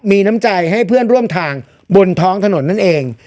มีน้ำใจให้เพื่อนร่วมทางบนท้องถนนนั่นเอง